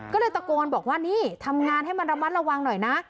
ก็เลยตะโกนบอกว่านี่ทำงานให้มันระมัดระวังหน่อยนะ